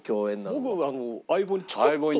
僕『相棒』にちょっと。